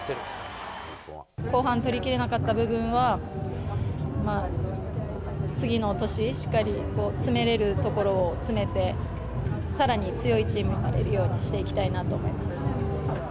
後半、取りきれなかった部分は、まあ、次の年、しっかり詰めれるところを詰めて、さらに強いチームになれるようにしていきたいなと思います。